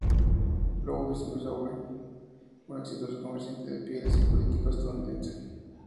Louis, Missouri, un exitoso comerciante de pieles y un político estadounidense.